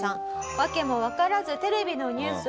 訳もわからずテレビのニュースを見ました。